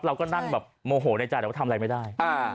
เราก็นั่งโมโหในจายเดี๋ยวทำอะไรไม่ได้